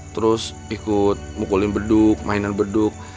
terus ikut mukulin beduk mainan beduk